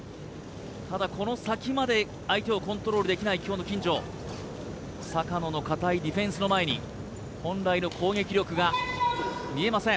ただこの先まで相手をコントロールできない今日の金城坂野の堅いディフェンスの前に本来の攻撃力が見えません